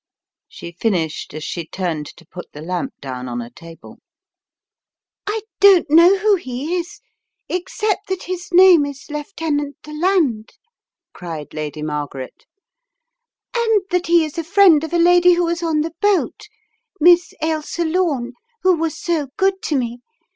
She finished as she turned to put the lamp down on a table. "I don't know who he is, except that his name is Lieutenant Deland," cried Lady Margaret, "and that he is a friend of a lady who was on the boat, Miss Ailsa Lome, who was so good to me.